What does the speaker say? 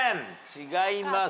違います。